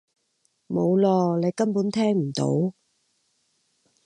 冇囉！你根本聽唔到！